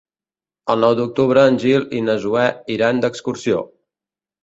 El nou d'octubre en Gil i na Zoè iran d'excursió.